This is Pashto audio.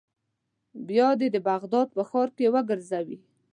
بیا دې د بغداد په ښار کې وګرځوي.